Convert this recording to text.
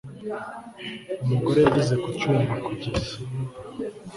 Umugore yageze ku cyuma kumeza